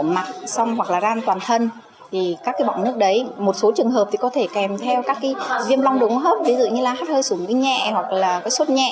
một số trường hợp có thể kèm theo các viêm long đúng hấp ví dụ như hắt hơi sủng nhẹ hoặc sốt nhẹ